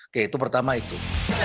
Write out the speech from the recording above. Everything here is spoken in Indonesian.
yang pertama itu